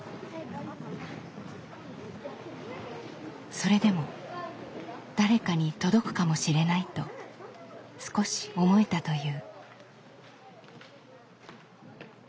それでも「誰かに届くかもしれない」と少し思えたという。